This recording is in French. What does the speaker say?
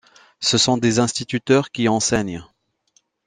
Ce sont des instituteurs qui enseignent.